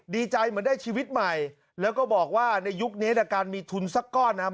ดีใจเหมือนได้ชีวิตใหม่แล้วก็บอกว่าในยุคนี้แต่การมีทุนสักก้อนนะครับ